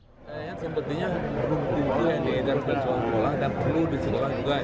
saya sepertinya yang diedar di sekolah dan perlu di sekolah juga